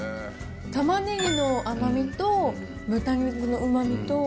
たまねぎの甘みと、豚肉のうまみと。